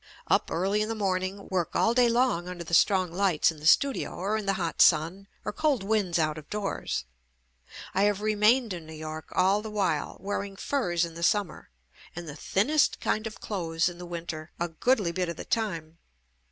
Up early in the morn ing, work all day long under the strong lights in the studio or in the hot sun or cold winds out of doors. I have remained in New York all the while, wearing furs in the summer and the thinnest kind of clothes in the winter a goodly bit of the time.